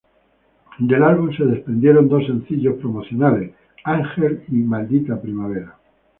Del álbum se desprendieron dos sencillos promocionales, Ángel y "Maldita Primavera".